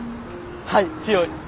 はい強い。